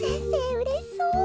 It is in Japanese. うれしそう。